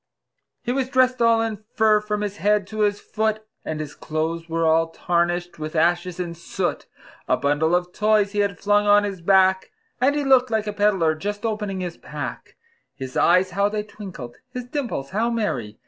He was dressed all in fur from his head to his foot, And his clothes were all tarnished with ashes and soot; A bundle of toys he had flung on his back, And he looked like a peddler just opening his pack; His eyes how they twinkled! his dimples how merry!